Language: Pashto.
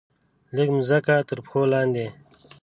لږه مځکه ترپښو لاندې